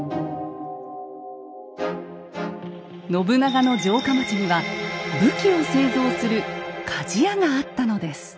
信長の城下町には武器を製造する鍛冶屋があったのです。